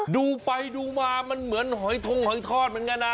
ดูไปดูมามันเหมือนหอยทงหอยทอดเหมือนกันนะ